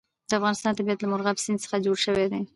د افغانستان طبیعت له مورغاب سیند څخه جوړ شوی دی.